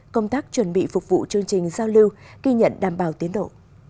công tác chuẩn bị phục vụ chương trình giao lưu ghi nhận đảm bảo tiến độ